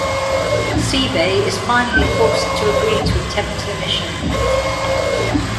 Seibei is finally forced to agree to attempt the mission.